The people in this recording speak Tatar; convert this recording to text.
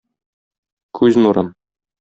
Күз нурым.